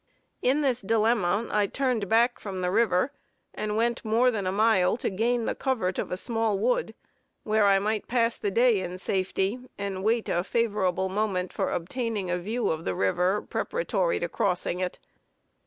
In this dilemma, I turned back from the river, and went more than a mile to gain the covert of a small wood, where I might pass the day in safety, and wait a favorable moment for obtaining a view of the river, preparatory to crossing it.